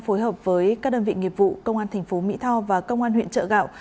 phối hợp với các đơn vị nghiệp vụ công an thành phố mỹ tho và công an huyện trợ gạo